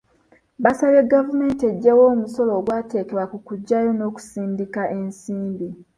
Baasabye gavumenti eggyewo omusolo ogwateekebwa ku kugyayo n'okusindika ensimbi.